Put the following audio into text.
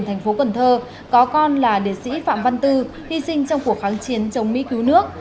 thành phố cần thơ có con là liệt sĩ phạm văn tư hy sinh trong cuộc kháng chiến chống mỹ cứu nước